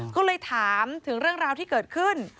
ก็เลยถามถึงเรื่องราวที่เกิดขึ้น